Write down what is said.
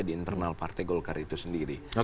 di internal partai golkar itu sendiri